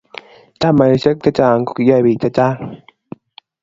chameshek chechang kogiyae biik chechang